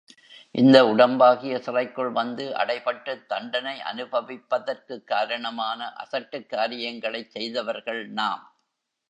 இந்த உடம்பாகிய சிறைக்குள் வந்து அடைபட்டுத் தண்டனை அநுபவிப்பதற்குக் காரணமான அசட்டுக் காரியங்களைச் செய்தவர்கள் நாம்.